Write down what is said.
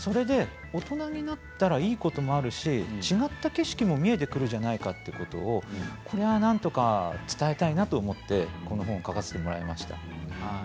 大人になったらいいこともあるし違った景色も見えてくるんじゃないかということをなんとか伝えたいなと思って本を書きました。